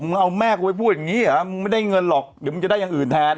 มึงเอาแม่ที่ก็ไปพูดอย่างนี้หรอมึงจะได้อย่างอื่นแทน